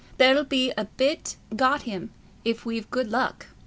There'll be a bit got hin, if we've good luck.